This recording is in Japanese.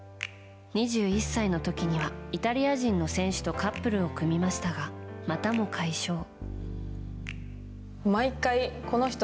２１歳の時にはイタリア人の選手とカップルを組みましたがまたも解消。